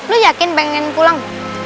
lu yakin pengen pulang